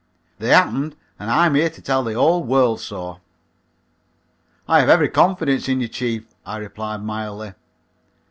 They happened and I'm here to tell the whole world so." "I have every confidence in you, chief," I replied mildly.